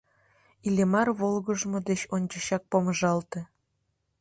Иллимар волгыжмо деч ончычак помыжалте.